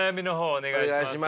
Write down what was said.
お願いします。